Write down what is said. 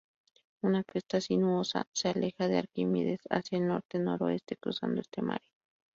Una cresta sinuosa se aleja de Arquímedes hacia el norte-noroeste, cruzando este mare.